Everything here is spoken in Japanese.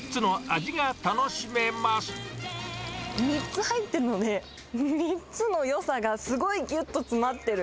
３つ入ってるので、３つのよさがすごいぎゅっと詰まってる。